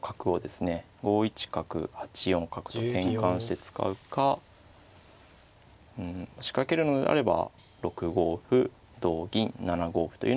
５一角８四角と転換して使うかうん仕掛けるのであれば６五歩同銀７五歩というのが手筋ですね。